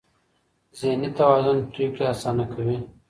ذهني توازن پرېکړې اسانه کوي.